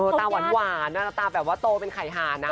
ตาหวานตาแบบว่าโตเป็นไข่หานนะ